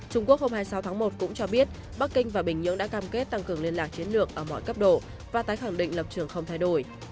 trung quốc hôm hai mươi sáu tháng một cũng cho biết bắc kinh và bình nhưỡng đã cam kết tăng cường liên lạc chiến lược ở mọi cấp độ và tái khẳng định lập trường không thay đổi